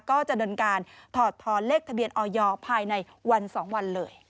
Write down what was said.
ก็จะเดินการถอดทอนเลขทะเบียนออยภายในวัน๒วันเลย